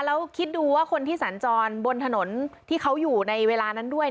แล้วคิดดูว่าคนที่สัญจรบนถนนที่เขาอยู่ในเวลานั้นด้วย